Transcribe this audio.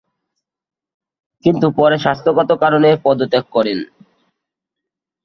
কিন্তু পরে স্বাস্থ্যগত কারণে পদত্যাগ করেন।